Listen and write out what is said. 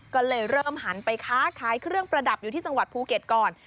ก็เลยเริ่มหันไปค้าขายเครื่องประดับอยู่ที่จังหวัดภูเก็ตก่อน